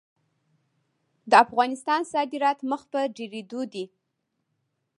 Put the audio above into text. د افغانستان صادرات مخ په ډیریدو دي